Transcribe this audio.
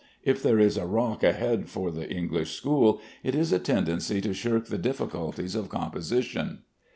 If there is a rock ahead for the English school, it is a tendency to shirk the difficulties of composition.